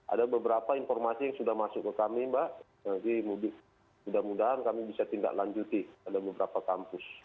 ada beberapa informasi yang sudah masuk ke kami mbak jadi mudik mudah mudahan kami bisa tindak lanjuti ada beberapa kampus